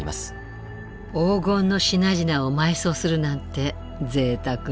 黄金の品々を埋葬するなんてぜいたくね。